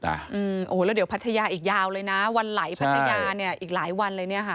แล้วเดี๋ยวพัทยาอีกยาวเลยนะวันไหลพัทยาอีกหลายวันเลย